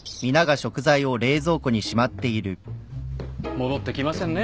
戻ってきませんね